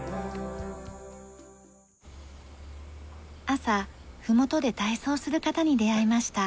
朝ふもとで体操する方に出会いました。